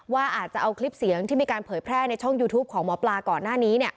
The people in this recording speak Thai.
ว่าอาจจะเอาคลิปเสียงที่มีการเผยแพร่ในช่องยูทูปของหมอปลาก่อนหน้านี้